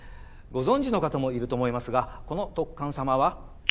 ご存じの方もいると思いますがこの特患様は。